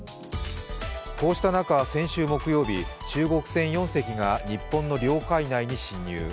こうした中、先週木曜日、中国船４隻が日本の領海内に侵入。